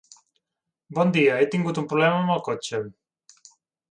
Bon dia, he tingut un problema amb el cotxe.